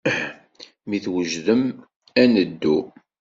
Mi twejdem, ad neddu.